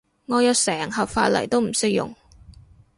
我有成盒髮泥都唔識用